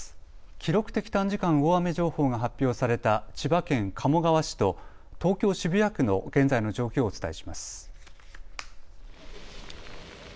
記録的短時間大雨情報が発表された千葉県鴨川市と東京渋谷区の現在の状況をお伝えします。